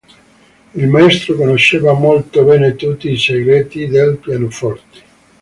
Il Maestro conosceva molto bene tutti i segreti del pianoforte”".